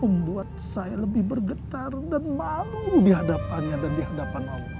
membuat saya lebih bergetar dan malu di hadapannya dan di hadapan allah